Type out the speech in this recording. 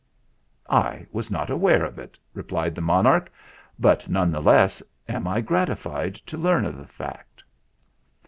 "I was not aware of it," replied the mon arch ; "but none the less am I gratified to learn the fact."